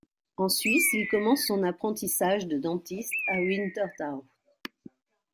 En Suisse, il commence son apprentissage de dentiste à Winterthour.